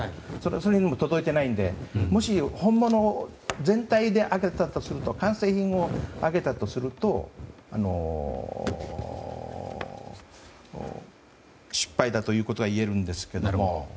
それに届いていないのでもし、本物を全体で完成品を上げたとすると失敗だということがいえるんですけども。